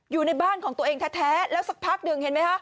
อยู่ในบ้านของตัวเองแท้แล้วสักพักหนึ่งเห็นไหมคะ